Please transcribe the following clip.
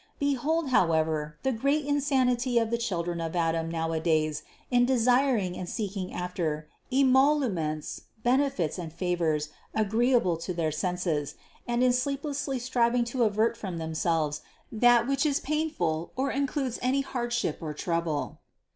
Behold, however, the great insanity of the chil dren of Adam nowadays in desiring and seeking after emoluments, benefits, and favors agreeable to their senses, and in sleeplessly striving to avert from themselves, that which is painful or includes any hardship or trouble.